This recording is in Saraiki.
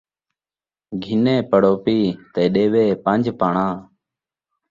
گھنے پڑوپی تے ݙیوے پن٘ج پاݨاں